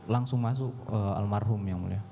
langsung masuk almarhum yang mulia